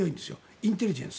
インテリジェンス。